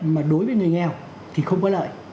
mà đối với người nghèo thì không có lợi